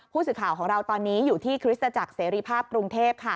ผู้สื่อข่าวของเราตอนนี้อยู่ที่คริสตจักรเสรีภาพกรุงเทพค่ะ